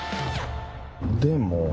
でも。